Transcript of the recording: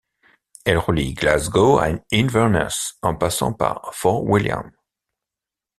Elle relie Glasgow à Inverness en passant par Fort William.